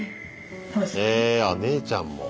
へえあ姉ちゃんも。